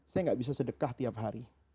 saya nggak bisa sedekah tiap hari